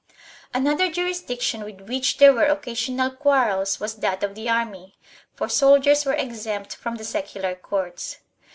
1 Another jurisdiction with which there were occasional quarrels was that of the army, for soldiers were exempt from the secular courts.